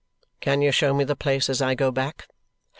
"Can you show me the place as I go back?"